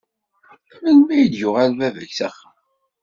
Melmi i d-yuɣal baba-k s axxam?